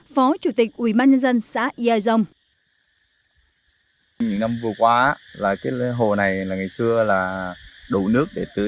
phó chủ tịch ủy ban nhân dân xã yai dông